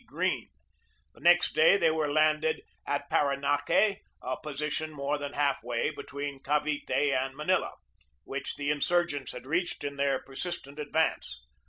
Greene. The next day they were landed at Paranaque, a position more than half way between Cavite and Manila,, which the in surgents had reached in their persistent advance.